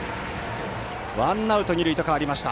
ワンアウト、二塁と変わりました。